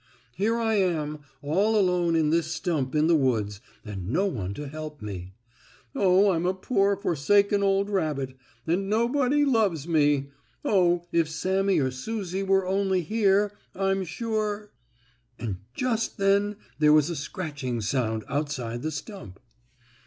Here I am, all alone in this stump in the woods, and no one to help me. Oh, I'm a poor, forsaken old rabbit, and nobody loves me! Oh, if Sammie or Susie were only here. I'm sure " And just then there was a scratching sound outside the stump.